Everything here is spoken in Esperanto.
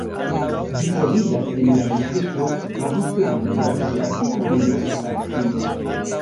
Ĝi troviĝas en la distrikto Vogtland de la federacia lando Saksio.